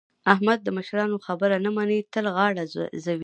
احمد د مشرانو خبره نه مني؛ تل غاړه ځوي.